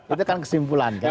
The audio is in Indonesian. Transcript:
itu kan kesimpulan kan